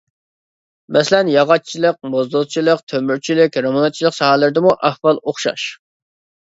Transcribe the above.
مەسىلەن: ياغاچچىلىق، موزدۇزچىلىق، تۆمۈرچىلىك، رېمونتچىلىق ساھەلىرىدىمۇ ئەھۋال ئوخشاش.